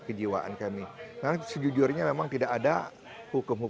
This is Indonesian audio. tepuk tangan tuduh